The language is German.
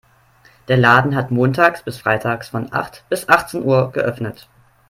Der Laden hat montags bis freitags von acht bis achtzehn Uhr geöffnet.